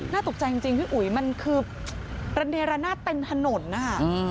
ตกใจจริงพี่อุ๋ยมันคือระเนระนาดเต็มถนนนะคะ